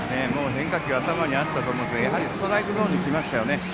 変化球は頭にあったと思いますがやはりストライクゾーンに来ましたよね。